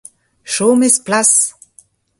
Chom e'z plas !